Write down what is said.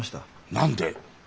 何で？